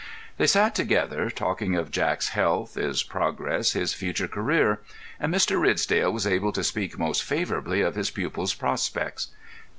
They sat together, talking of Jack's health, his progress, his future career; and Mr. Ridsdale was able to speak most favourably of his pupil's prospects.